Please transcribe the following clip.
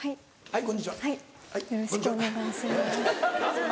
はい。